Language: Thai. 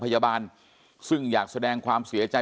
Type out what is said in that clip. ยังไม่สบายใจ